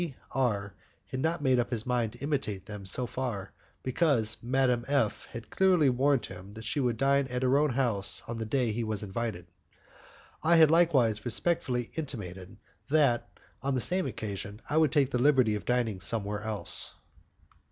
D R had not made up his mind to imitate them so far, because Madame F had clearly warned him that she would dine at her own house on the day he was invited. I had likewise respectfully intimated that, on the same occasion, I would take the liberty of dining somewhere else.